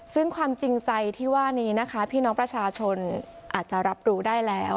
ซึ่งความจริงใจที่ว่านี้นะคะพี่น้องประชาชนอาจจะรับรู้ได้แล้ว